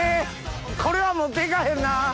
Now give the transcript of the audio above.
これは持っていかへんな。